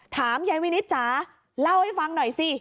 ถามยายวินิตจ๋าเล่าให้ฟังหน่อยสิ